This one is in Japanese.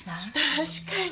確かに！